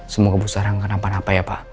semoga bu sarah gak kenapa napa ya pak